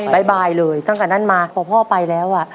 มีลูกมีเมียแล้ว